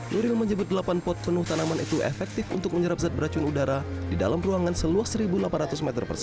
nuril menyebut delapan pot penuh tanaman itu efektif untuk menyerap zat beracun udara di dalam ruangan seluas satu delapan ratus meter